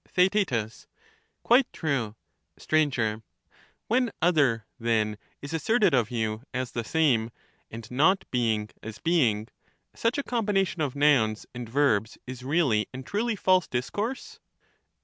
Theaet. Quite true. Str, When other, then, is asserted of you as the same, and not being as being, such a combination of nouns and verbs is really and truly false discourse.